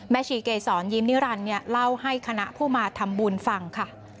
ชีเกษรยิ้มนิรันดิ์เล่าให้คณะผู้มาทำบุญฟังค่ะ